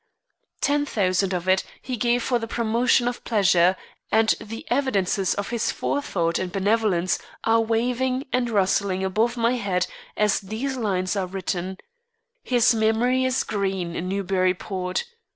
Ten thousand of it he gave for the promotion of pleasure, and the evidences of his forethought and benevolence are waving and rustling above my head as these lines are written. His memory is green in Newburyport.